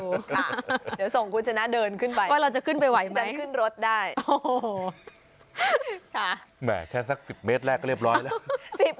เดี๋ยวส่งคุณชนะเดินขึ้นไปฉันขึ้นรถได้ค่ะแม่แค่สัก๑๐เมตรแรกก็เรียบร้อยแล้ว